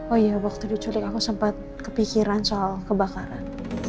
oh iya waktu diculik aku sempat kepikiran soal kebakaran